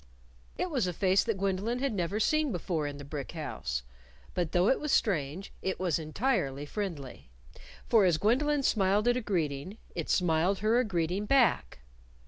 It was a face that Gwendolyn had never seen before in the brick house. But though it was strange, it was entirely friendly. For as Gwendolyn smiled it a greeting, it smiled her a greeting back!